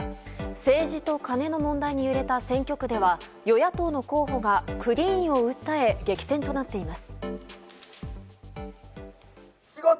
政治とカネの問題に揺れた選挙区では与野党の候補がクリーンを訴え激戦となっています。